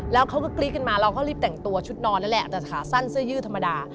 แล้วเขาก็กรี๊ดขึ้นมาเราก็รีบแต่งตัวชุดนอนนั่นแหละแต่ขาสั้นเสื้อยืดธรรมดา